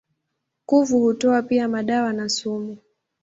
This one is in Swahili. Kuvu hutoa pia madawa na sumu.